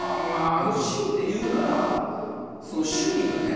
強いて言うならその趣味がね